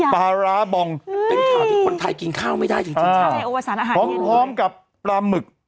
ปราลาบองเอาไว้สารอาหารเพราะพร้อมกับปราหมึก